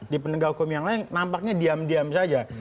di penegak hukum yang lain nampaknya diam diam saja